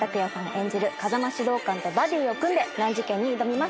演じる風間指導官とバディを組んで難事件に挑みます。